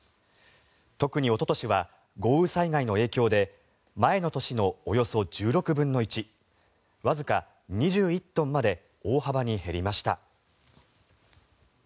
特におととしは豪雨災害の影響で前の年のおよそ１６分の１わずか２１トンまで大幅に減りました。